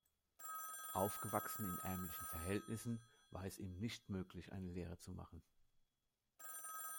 Aufgewachsen in ärmlichen Verhältnissen, war es ihm nicht möglich, eine Lehre zu machen.